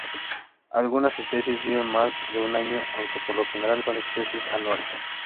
Algunas especies viven más de un año, aunque por lo general son especies anuales.